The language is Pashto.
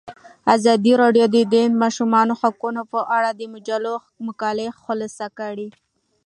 ازادي راډیو د د ماشومانو حقونه په اړه د مجلو مقالو خلاصه کړې.